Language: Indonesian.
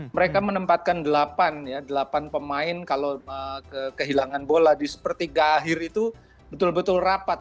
mereka menempatkan delapan ya delapan pemain kalau kehilangan bola di sepertiga akhir itu betul betul rapat